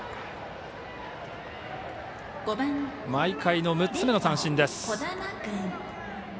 毎回の６つ目の三振です。